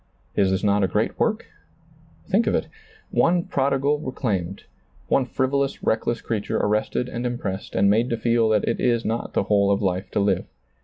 Is this not a great work ? Think of it. One prodigal re claimed, one frivolous, reckless creature arrested and impressed and made to feel that it is not the whole of life to live.